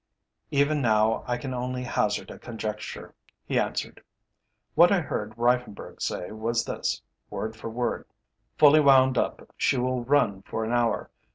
"Even now I can only hazard a conjecture," he answered. "What I heard Reiffenburg say was this, word for word: '_Fully wound up she will run for an hour.